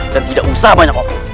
dan tidak usah banyak obat